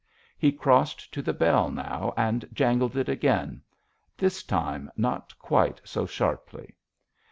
He crossed to the bell now and jangled it again—this time not quite so sharply.